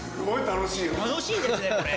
楽しいですねこれ。